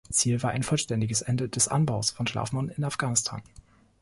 Ziel war ein vollständiges Ende des Anbaus von Schlafmohn in Afghanistan.